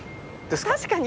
確かに。